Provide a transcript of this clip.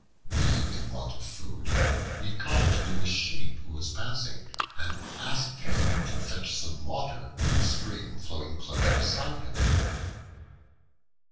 Being in want of food, he called to a Sheep who was passing, and asked him to fetch some water from a stream flowing close beside him.